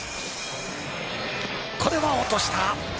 これは落とした。